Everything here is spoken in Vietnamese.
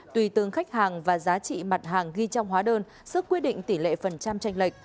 tùy từng khách hàng và giá trị mặt hàng ghi trong hóa đơn sức quyết định tỷ lệ phần trăm tranh lệch